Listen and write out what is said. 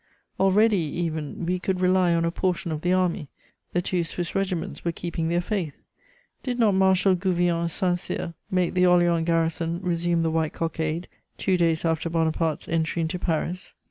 Already, even, we could rely on a portion of the army; the two Swiss regiments were keeping their faith: did not Marshal Gouvion Saint Cyr make the Orleans garrison resume the white cockade two days after Bonaparte's entry into Paris?